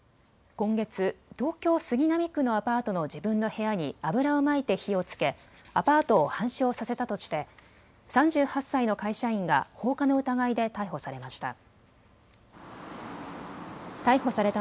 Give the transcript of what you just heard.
今月、東京杉並区のアパートの自分の部屋に油をまいて火をつけアパートを半焼させたとして３８歳の会社員が放火の疑いで逮捕されました。